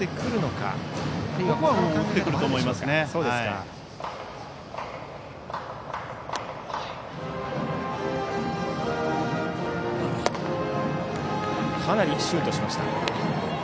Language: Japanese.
かなりシュートしました。